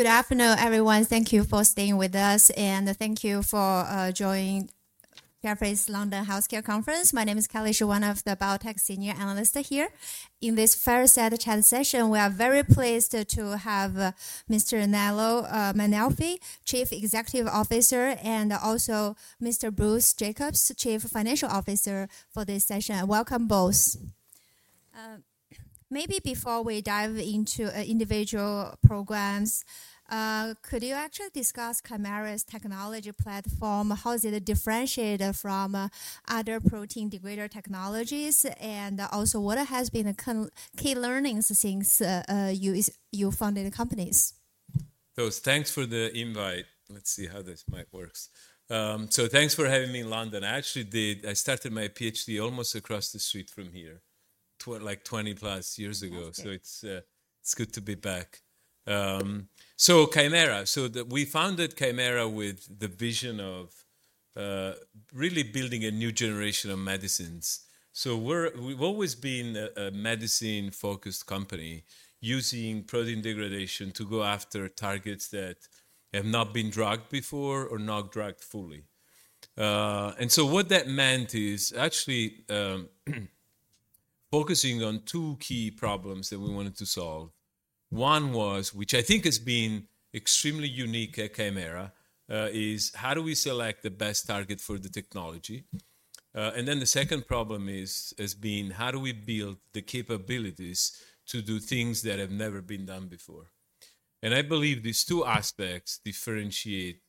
Good afternoon, everyone. Thank you for staying with us, and thank you for joining Kymera Therapeutics' London Healthcare Conference. My name is Kelly Shi, one of the biotech senior analysts here. In this fireside chat session, we are very pleased to have Mr. Nello Mainolfi, Chief Executive Officer, and also Mr. Bruce Jacobs, Chief Financial Officer, for this session. Welcome both. Maybe before we dive into individual programs, could you actually discuss Kymera's technology platform? How is it differentiated from other protein degrader technologies? And also, what have been the key learnings since you founded the companies? Thanks for the invite. Let's see how this might work, so thanks for having me in London. I actually did. I started my PhD almost across the street from here, like 20+ years ago, so it's good to be back, so Kymera, so we founded Kymera with the vision of really building a new generation of medicines, so we've always been a medicine-focused company using protein degradation to go after targets that have not been drugged before or not drugged fully, and so what that meant is actually focusing on two key problems that we wanted to solve. One was, which I think has been extremely unique at Kymera, is how do we select the best target for the technology? And then the second problem has been how do we build the capabilities to do things that have never been done before? I believe these two aspects differentiate.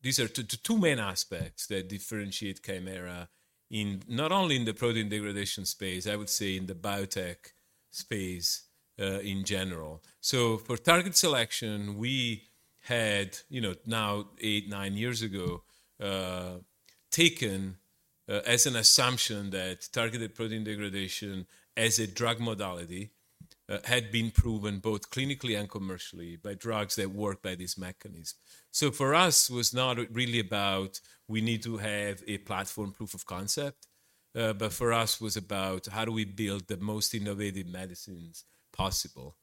These are two main aspects that differentiate Kymera in not only the protein degradation space, I would say in the biotech space in general. For target selection, we had, now eight, nine years ago, taken as an assumption that targeted protein degradation as a drug modality had been proven both clinically and commercially by drugs that work by this mechanism. For us, it was not really about we need to have a platform proof of concept, but for us, it was about how do we build the most innovative medicines possible?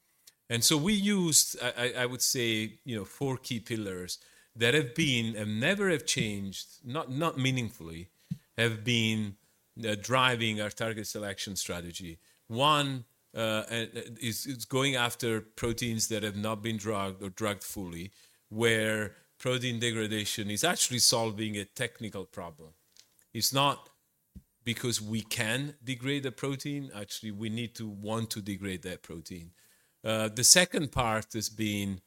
We used, I would say, four key pillars that have been and never have changed, not meaningfully, have been driving our target selection strategy. One is going after proteins that have not been drugged or drugged fully, where protein degradation is actually solving a technical problem. It's not because we can degrade the protein. Actually, we need to want to degrade that protein. The second part has been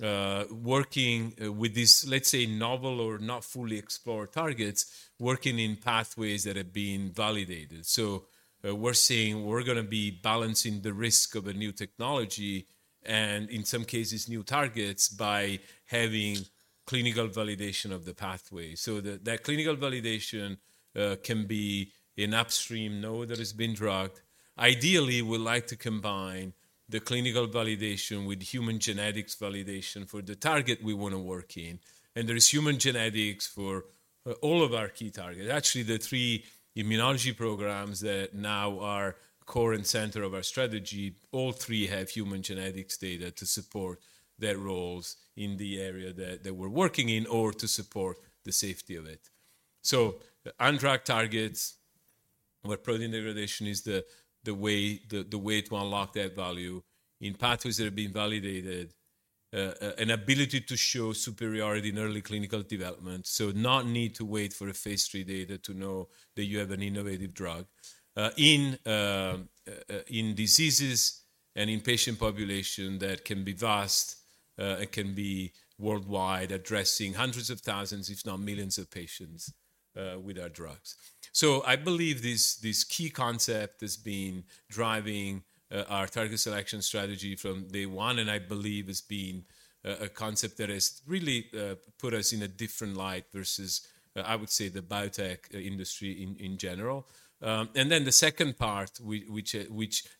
working with these, let's say, novel or not fully explored targets, working in pathways that have been validated, so we're going to be balancing the risk of a new technology and, in some cases, new targets by having clinical validation of the pathway. That clinical validation can be an upstream node that has been drugged. Ideally, we'd like to combine the clinical validation with human genetics validation for the target we want to work in. There is human genetics for all of our key targets. Actually, the three immunology programs that now are core and center of our strategy, all three have human genetics data to support their roles in the area that we're working in or to support the safety of it. Undrugged targets where protein degradation is the way to unlock that value in pathways that have been validated, an ability to show superiority in early clinical development, so not need to wait for a phase III data to know that you have an innovative drug in diseases and in patient population that can be vast and can be worldwide, addressing hundreds of thousands, if not millions of patients with our drugs. I believe this key concept has been driving our target selection strategy from day one, and I believe it's been a concept that has really put us in a different light versus, I would say, the biotech industry in general. And then the second part, which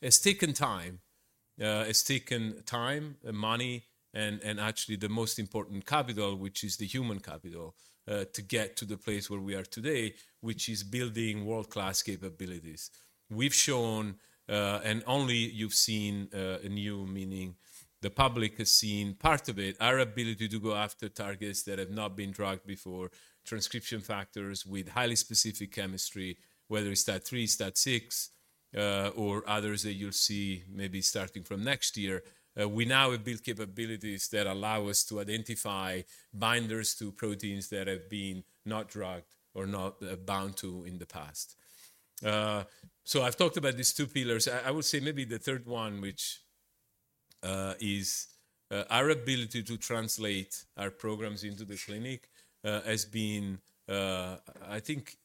has taken time, has taken time and money, and actually the most important capital, which is the human capital, to get to the place where we are today, which is building world-class capabilities. We've shown, and only you've seen a new meaning. The public has seen part of it, our ability to go after targets that have not been drugged before, transcription factors with highly specific chemistry, whether it's STAT3, STAT6, or others that you'll see maybe starting from next year. We now have built capabilities that allow us to identify binders to proteins that have been not drugged or not bound to in the past. So I've talked about these two pillars. I would say maybe the third one, which is our ability to translate our programs into the clinic, has been, I think,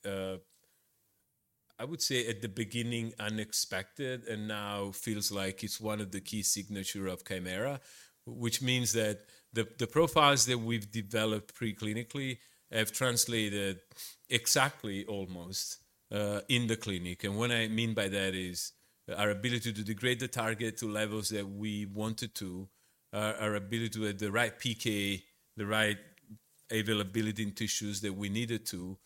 I would say at the beginning unexpected and now feels like it's one of the key signatures of Kymera, which means that the profiles that we've developed preclinically have translated exactly almost in the clinic. And what I mean by that is our ability to degrade the target to levels that we wanted to, our ability to have the right PK, the right availability in tissues that we needed to,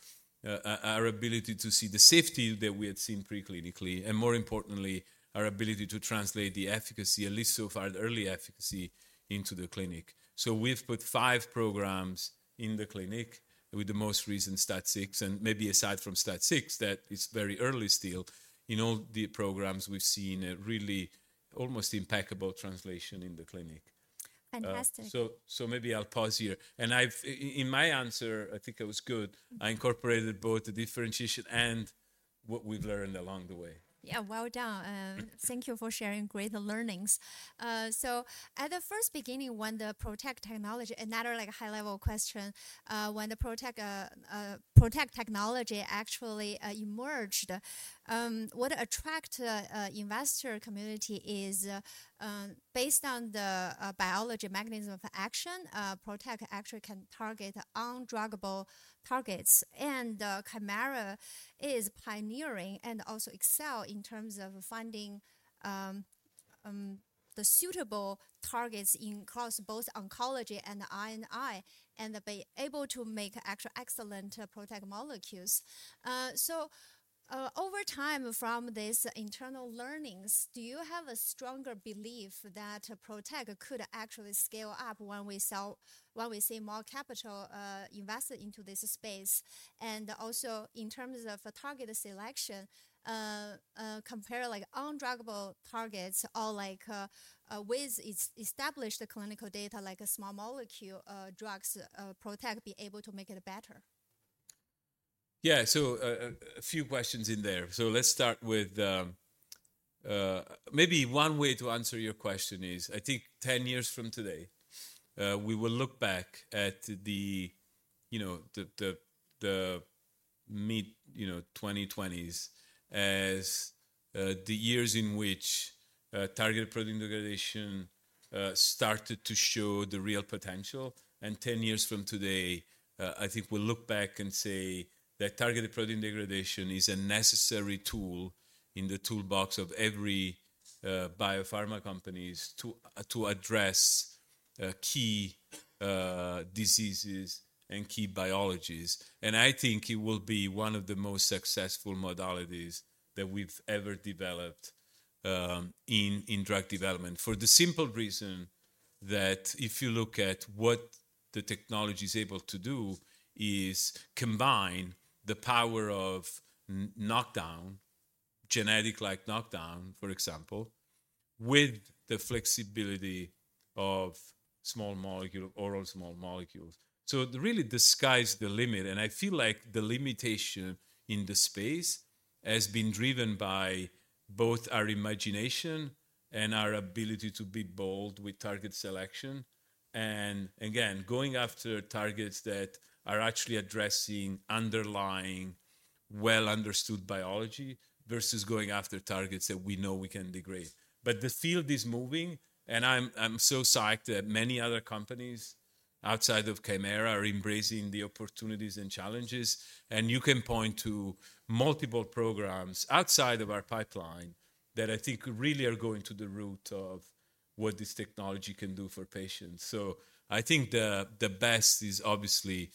our ability to see the safety that we had seen preclinically, and more importantly, our ability to translate the efficacy, at least so far, the early efficacy into the clinic. So we've put five programs in the clinic with the most recent STAT6. Maybe aside from STAT6, that is very early still. In all the programs, we've seen a really almost impeccable translation in the clinic. Fantastic. Maybe I'll pause here. In my answer, I think it was good. I incorporated both the differentiation and what we've learned along the way. Yeah, well done. Thank you for sharing great learnings. So at the first beginning, when the PROTAC technology, another high-level question, when the PROTAC technology actually emerged, what attracted the investor community is based on the biology mechanism of action. PROTAC actually can target undruggable targets. And Kymera is pioneering and also excels in terms of finding the suitable targets across both oncology and I&I and be able to make actual excellent PROTAC molecules. So over time from these internal learnings, do you have a stronger belief that PROTAC could actually scale up when we see more capital invested into this space? And also in terms of target selection, compare undruggable targets or with established clinical data like small molecule drugs, PROTAC be able to make it better? Yeah, so a few questions in there. So let's start with maybe one way to answer your question. I think 10 years from today, we will look back at the mid-2020s as the years in which targeted protein degradation started to show the real potential. And 10 years from today, I think we'll look back and say that targeted protein degradation is a necessary tool in the toolbox of every biopharma companies to address key diseases and key biologies. And I think it will be one of the most successful modalities that we've ever developed in drug development for the simple reason that if you look at what the technology is able to do is combine the power of knockdown, genetic-like knockdown, for example, with the flexibility of small molecule, oral small molecules. So really the sky's the limit. And I feel like the limitation in the space has been driven by both our imagination and our ability to be bold with target selection. And again, going after targets that are actually addressing underlying well-understood biology versus going after targets that we know we can degrade. But the field is moving, and I'm so psyched that many other companies outside of Kymera are embracing the opportunities and challenges. And you can point to multiple programs outside of our pipeline that I think really are going to the root of what this technology can do for patients. So I think the best is obviously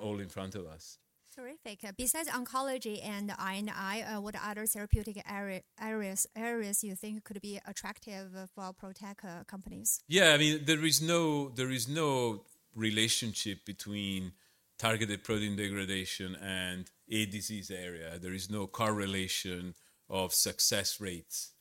all in front of us. Terrific. Besides oncology and I&I, what other therapeutic areas do you think could be attractive for PROTAC companies? Yeah, I mean, there is no relationship between targeted protein degradation and a disease area. There is no correlation of success rates.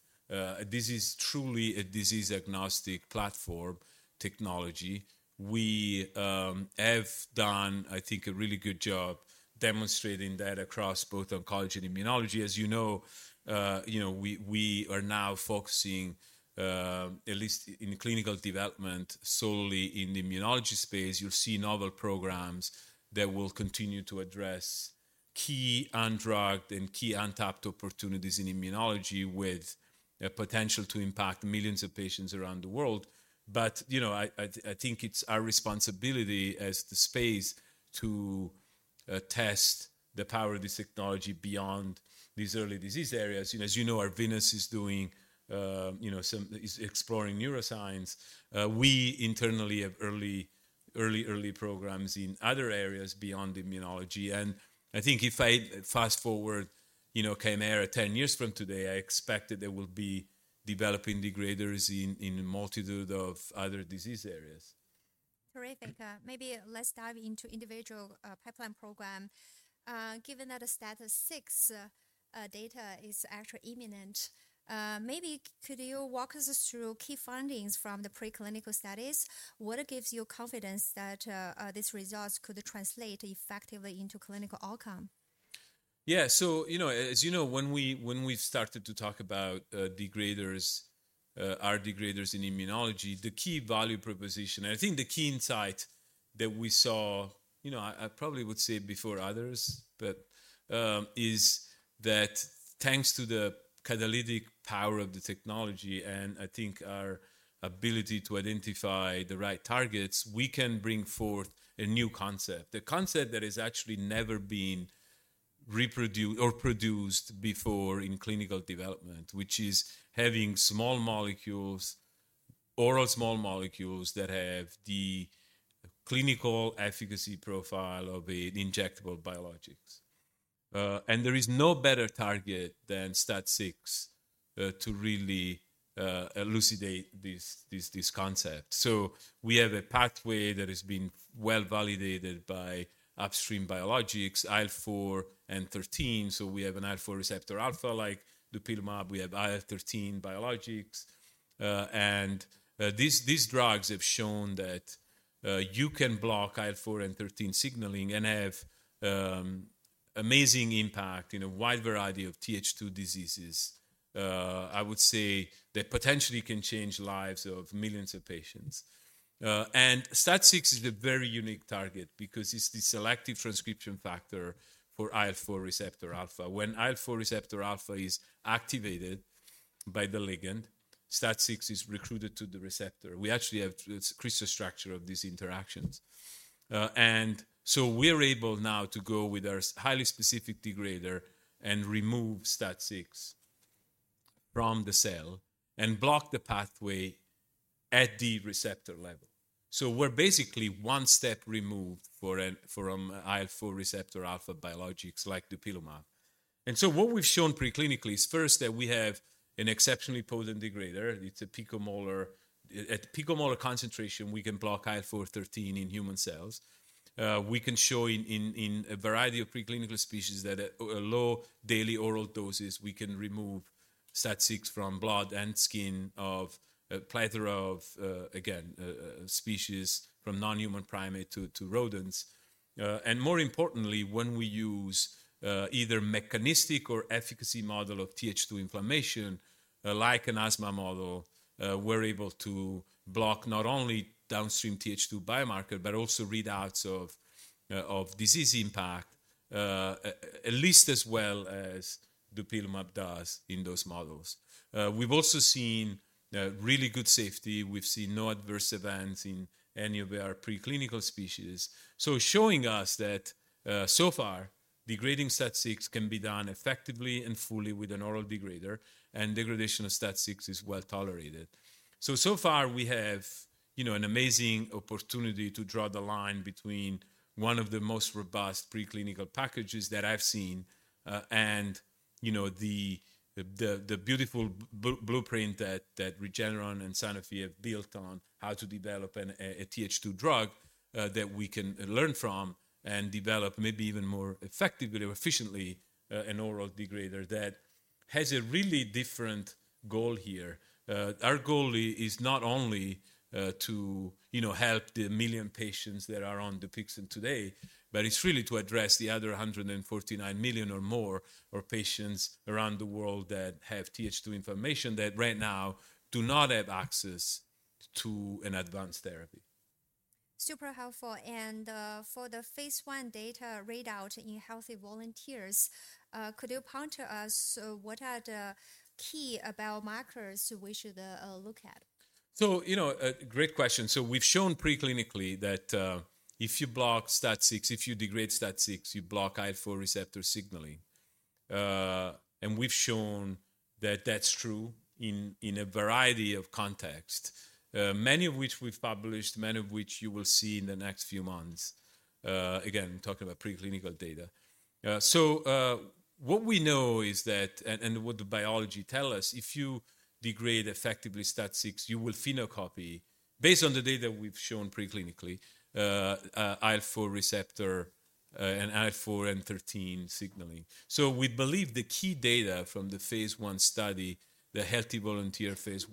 This is truly a disease-agnostic platform technology. We have done, I think, a really good job demonstrating that across both oncology and immunology. As you know, we are now focusing, at least in clinical development, solely in the immunology space. You'll see novel programs that will continue to address key undrugged and key untapped opportunities in immunology with potential to impact millions of patients around the world. But I think it's our responsibility as the space to test the power of this technology beyond these early disease areas. As you know, Arvinas is doing exploring neuroscience. We internally have early programs in other areas beyond immunology. I think if I fast forward Kymera 10 years from today, I expect that there will be developing degraders in a multitude of other disease areas. Terrific. Maybe let's dive into individual pipeline program. Given that the STAT6 data is actually imminent, maybe could you walk us through key findings from the preclinical studies? What gives you confidence that these results could translate effectively into clinical outcome? Yeah, so as you know, when we've started to talk about degraders, our degraders in immunology, the key value proposition, I think the key insight that we saw, I probably would say before others, but is that thanks to the catalytic power of the technology and I think our ability to identify the right targets, we can bring forth a new concept, a concept that has actually never been reproduced or produced before in clinical development, which is having small molecules, oral small molecules that have the clinical efficacy profile of an injectable biologics. And there is no better target than STAT6 to really elucidate this concept. So we have a pathway that has been well validated by upstream biologics, IL-4/IL-13. So we have an IL-4 receptor alpha, like dupilumab. We have IL-13 biologics. These drugs have shown that you can block IL-4/IL-13 signaling and have amazing impact in a wide variety of Th2 diseases. I would say that potentially can change lives of millions of patients. STAT6 is a very unique target because it's the selective transcription factor for IL-4 receptor alpha. When IL-4 receptor alpha is activated by the ligand, STAT6 is recruited to the receptor. We actually have crystal structure of these interactions. We're able now to go with our highly specific degrader and remove STAT6 from the cell and block the pathway at the receptor level. We're basically one step removed from IL-4 receptor alpha biologics like dupilumab. What we've shown preclinically is first that we have an exceptionally potent degrader. It's a picomolar. At picomolar concentration, we can block IL-4/IL-13 in human cells. We can show in a variety of preclinical species that at low daily oral doses, we can remove STAT6 from blood and skin of a plethora of, again, species from non-human primate to rodents. More importantly, when we use either mechanistic or efficacy model of Th2 inflammation, like an asthma model, we're able to block not only downstream Th2 biomarker, but also readouts of disease impact, at least as well as dupilumab does in those models. We've also seen really good safety. We've seen no adverse events in any of our preclinical species. So, showing us that so far, degrading STAT6 can be done effectively and fully with an oral degrader, and degradation of STAT6 is well tolerated. So so far, we have an amazing opportunity to draw the line between one of the most robust preclinical packages that I've seen and the beautiful blueprint that Regeneron and Sanofi have built on how to develop a Th2 drug that we can learn from and develop maybe even more effectively or efficiently an oral degrader that has a really different goal here. Our goal is not only to help the 1 million patients that are on DUPIXENT today, but it's really to address the other 149 million or more patients around the world that have Th2 inflammation that right now do not have access to an advanced therapy. Super helpful. And for the phase I data readout in healthy volunteers, could you point to us what are the key biomarkers we should look at? Great question. We've shown preclinically that if you block STAT6, if you degrade STAT6, you block IL-4 receptor signaling. And we've shown that that's true in a variety of contexts, many of which we've published, many of which you will see in the next few months. Again, I'm talking about preclinical data. What we know is that, and what the biology tells us, if you degrade effectively STAT6, you will phenocopy, based on the data we've shown preclinically, IL-4 receptor and IL-4/IL-13 signaling. We believe the key data from the phase I study, the healthy volunteer phase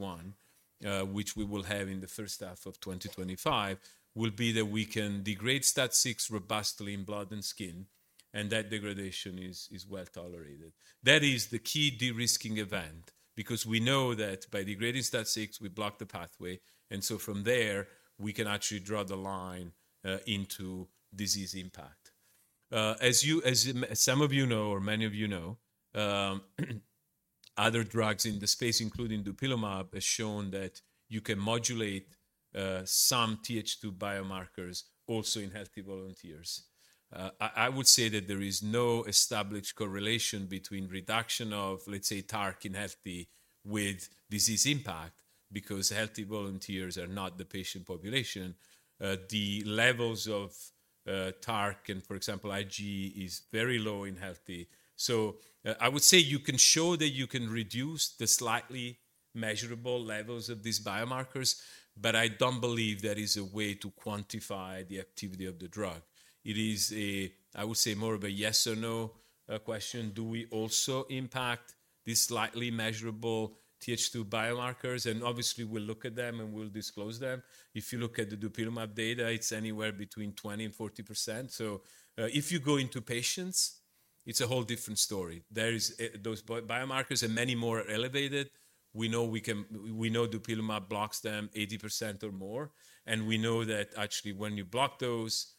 I, which we will have in the first half of 2025, will be that we can degrade STAT6 robustly in blood and skin, and that degradation is well tolerated. That is the key de-risking event because we know that by degrading STAT6, we block the pathway. And so from there, we can actually draw the line into disease impact. As some of you know, or many of you know, other drugs in the space, including dupilumab, have shown that you can modulate some Th2 biomarkers also in healthy volunteers. I would say that there is no established correlation between reduction of, let's say, TARC in healthy with disease impact because healthy volunteers are not the patient population. The levels of TARC and, for example, IgE is very low in healthy. So I would say you can show that you can reduce the slightly measurable levels of these biomarkers, but I don't believe that is a way to quantify the activity of the drug. It is, I would say, more of a yes or no question. Do we also impact these slightly measurable Th2 biomarkers? And obviously, we'll look at them and we'll disclose them. If you look at the dupilumab data, it's anywhere between 20% and 40%. So if you go into patients, it's a whole different story. Those biomarkers and many more are elevated. We know the dupilumab blocks them 80% or more. And we know that actually when you block those,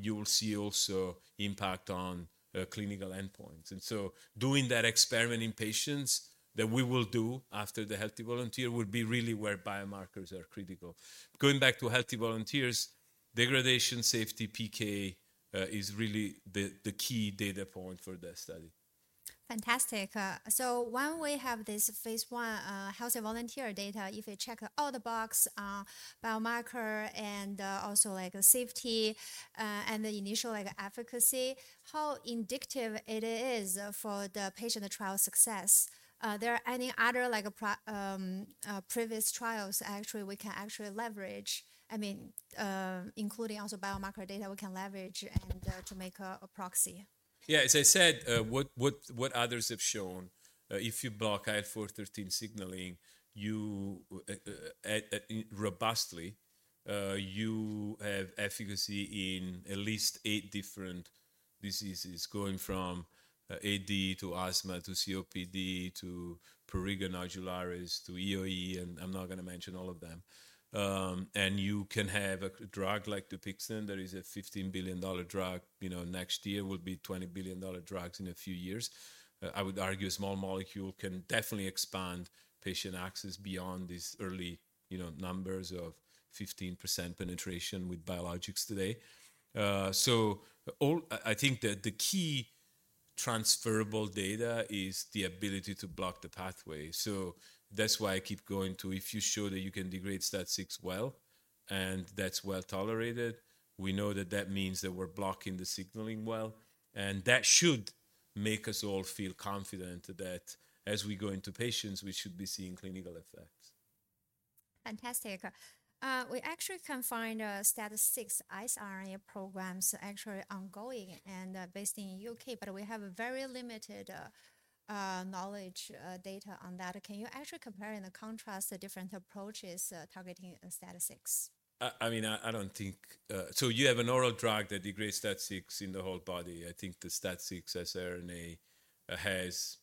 you will see also impact on clinical endpoints. And so doing that experiment in patients that we will do after the healthy volunteer would be really where biomarkers are critical. Going back to healthy volunteers, degradation, safety, PK is really the key data point for this study. Fantastic. So when we have this phase I healthy volunteer data, if you check all the boxes, biomarker and also safety and the initial efficacy, how indicative it is for the patient trial success? Are there any other previous trials actually we can actually leverage, I mean, including also biomarker data we can leverage to make a proxy? Yeah, as I said, what others have shown, if you block IL-4/IL-13 signaling robustly, you have efficacy in at least eight different diseases going from AD to asthma to COPD to prurigo nodularis to EoE, and I'm not going to mention all of them. And you can have a drug like DUPIXENT that is a $15 billion drug. Next year will be $20 billion drugs in a few years. I would argue a small molecule can definitely expand patient access beyond these early numbers of 15% penetration with biologics today. So I think that the key transferable data is the ability to block the pathway. So that's why I keep going to, if you show that you can degrade STAT6 well and that's well tolerated, we know that that means that we're blocking the signaling well. That should make us all feel confident that as we go into patients, we should be seeing clinical effects. Fantastic. We actually can find STAT6 siRNA programs actually ongoing and based in the U.K., but we have very limited knowledge data on that. Can you actually compare and contrast the different approaches targeting STAT6? I mean, I don't think so. You have an oral drug that degrades STAT6 in the whole body. I think the STAT6 siRNA has,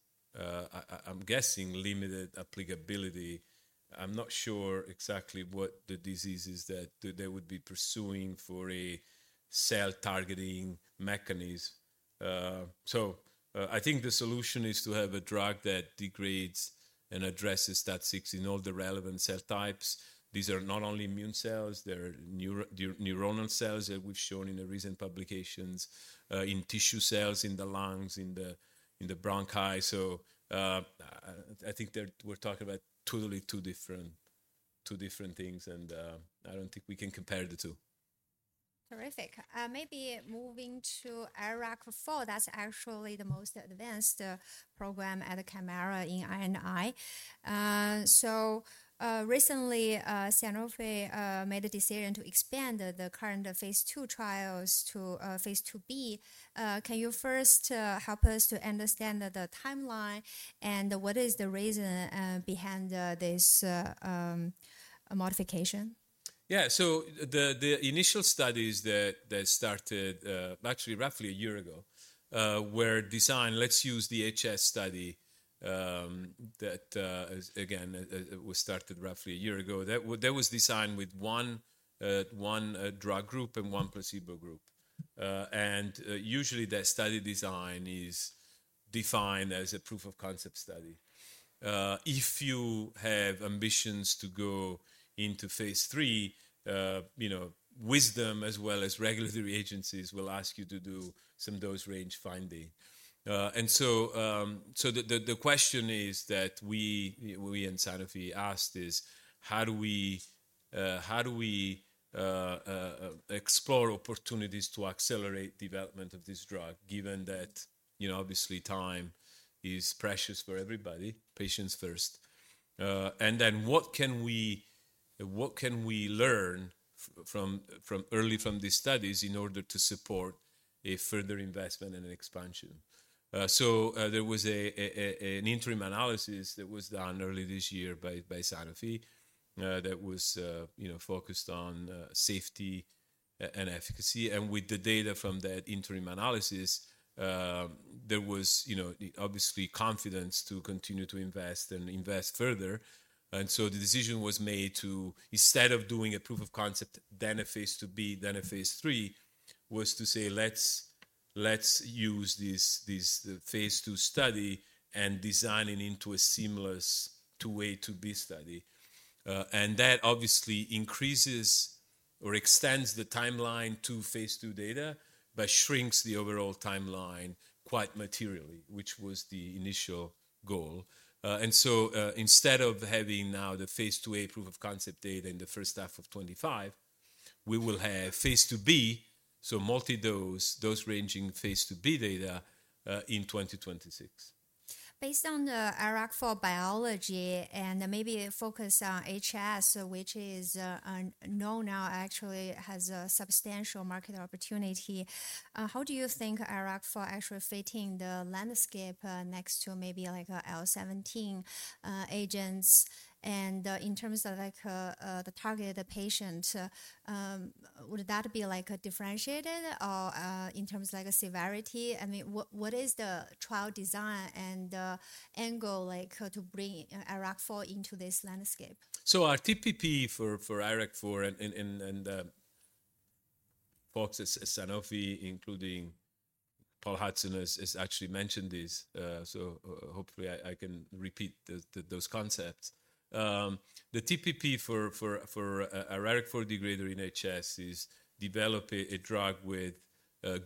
I'm guessing, limited applicability. I'm not sure exactly what the diseases that they would be pursuing for a cell targeting mechanism. So I think the solution is to have a drug that degrades and addresses STAT6 in all the relevant cell types. These are not only immune cells. They're neuronal cells that we've shown in the recent publications in tissue cells in the lungs, in the bronchi. So I think that we're talking about totally two different things, and I don't think we can compare the two. Terrific. Maybe moving to IRAK4, that's actually the most advanced program at Kymera in immunology. So recently, Sanofi made a decision to expand the current phase II trials to phase IIb. Can you first help us to understand the timeline and what is the reason behind this modification? Yeah, so the initial studies that started actually roughly a year ago were designed. Let's use the HS study that, again, was started roughly a year ago. That was designed with one drug group and one placebo group, and usually, that study design is defined as a proof of concept study. If you have ambitions to go into phase III, wisdom as well as regulatory agencies will ask you to do some dose range finding, and so the question that we and Sanofi asked is, how do we explore opportunities to accelerate development of this drug, given that obviously time is precious for everybody, patients first? And then what can we learn early from these studies in order to support a further investment and expansion, so there was an interim analysis that was done early this year by Sanofi that was focused on safety and efficacy. With the data from that interim analysis, there was obviously confidence to continue to invest and invest further. And so the decision was made to, instead of doing a proof of concept, then a phase IIb, then a phase III, was to say, let's use this phase II study and design it into a seamless IIa, IIb study. And that obviously increases or extends the timeline to phase II data but shrinks the overall timeline quite materially, which was the initial goal. And so instead of having now the phase IIa proof of concept data in the first half of 2025, we will have phase IIb, so multi-dose, dose ranging phase IIb data in 2026. Based on IRAK4 biology and maybe focus on HS, which is known now actually has a substantial market opportunity, how do you think IRAK4 actually fitting the landscape next to maybe like IL-17 agents? And in terms of the targeted patient, would that be differentiated or in terms of severity? I mean, what is the trial design and angle to bring IRAK4 into this landscape? So our TPP for IRAK4 and folks at Sanofi, including Paul Hudson, has actually mentioned this. So hopefully, I can repeat those concepts. The TPP for IRAK4 degrader in HS is developing a drug with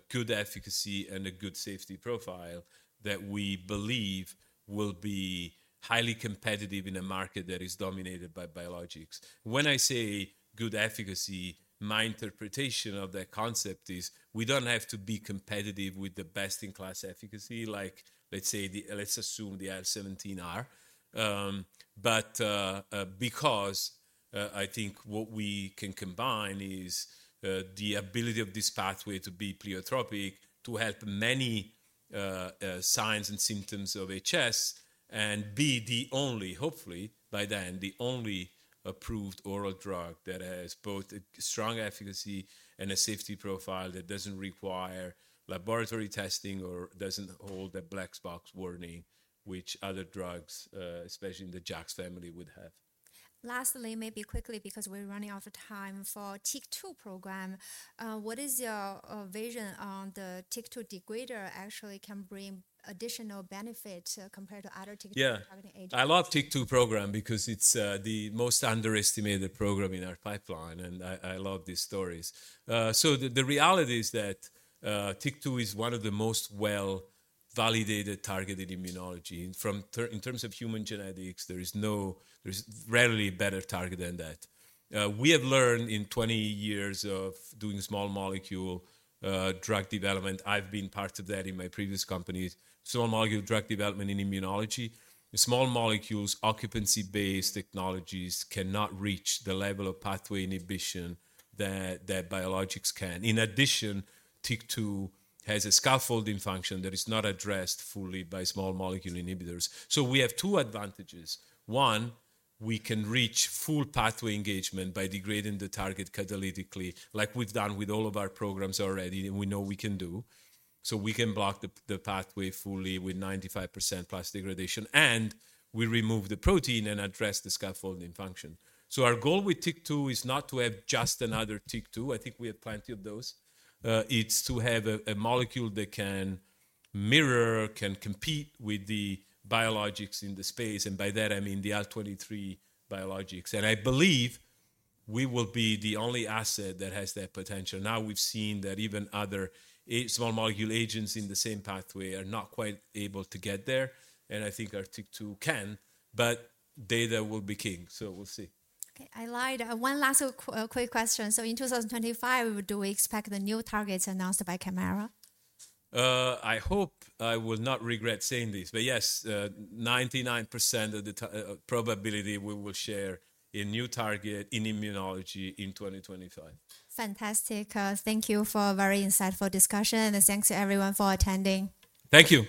good efficacy and a good safety profile that we believe will be highly competitive in a market that is dominated by biologics. When I say good efficacy, my interpretation of that concept is we don't have to be competitive with the best in class efficacy, like let's say, let's assume the IL-17R. But because I think what we can combine is the ability of this pathway to be pleiotropic to help many signs and symptoms of HS and be the only, hopefully, by then, the only approved oral drug that has both strong efficacy and a safety profile that doesn't require laboratory testing or doesn't hold a black box warning, which other drugs, especially in the JAKs family, would have. Lastly, maybe quickly because we're running out of time for TYK2 program, what is your vision on the TYK2 degrader actually can bring additional benefits compared to other TYK2 targeting agents? Yeah, I love TYK2 program because it's the most underestimated program in our pipeline, and I love these stories. So the reality is that TYK2 is one of the most well-validated targeted immunology. In terms of human genetics, there is rarely a better target than that. We have learned in 20 years of doing small molecule drug development. I've been part of that in my previous company, small molecule drug development in immunology. Small molecules occupancy-based technologies cannot reach the level of pathway inhibition that biologics can. In addition, TYK2 has a scaffolding function that is not addressed fully by small molecule inhibitors. So we have two advantages. One, we can reach full pathway engagement by degrading the target catalytically, like we've done with all of our programs already and we know we can do. So we can block the pathway fully with 95%+ degradation, and we remove the protein and address the scaffolding function. Our goal with TYK2 is not to have just another TYK2. I think we have plenty of those. It's to have a molecule that can mirror, can compete with the biologics in the space. And by that, I mean the IL-23 biologics. And I believe we will be the only asset that has that potential. Now we've seen that even other small molecule agents in the same pathway are not quite able to get there. And I think our TYK2 can, but data will be king. So we'll see. I lied. One last quick question. So in 2025, do we expect the new targets announced by Kymera? I hope I will not regret saying this, but yes, 99% of the probability we will share a new target in immunology in 2025. Fantastic. Thank you for a very insightful discussion. Thanks to everyone for attending. Thank you.